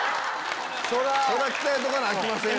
鍛えとかなあきませんよね。